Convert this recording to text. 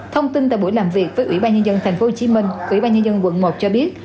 thông tin tại buổi làm việc với ủy ban nhân dân tp hcm ủy ban nhân dân quận một cho biết